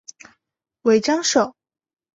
尾张守。